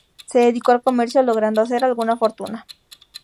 Se dedicó al comercio, logrando hacer alguna fortuna.